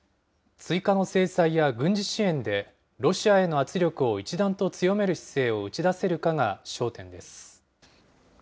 追加の制裁や軍事支援で、ロシアへの圧力を一段と強める姿勢を打ち出せるかが焦点です。